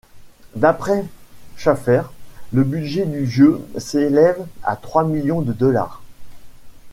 D’après Schafer, le budget du jeu s’élève à trois millions de dollars.